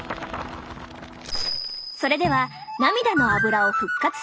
それでは涙のアブラを復活させる